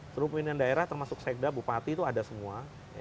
seluruh pimpinan daerah termasuk sekda bupati itu ada semua